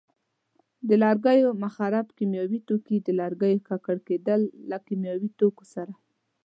د لرګیو مخرب کیمیاوي توکي: د لرګیو ککړ کېدل له کیمیاوي توکو سره.